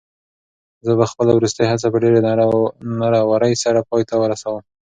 زه به خپله وروستۍ هڅه په ډېرې نره ورۍ سره پای ته ورسوم.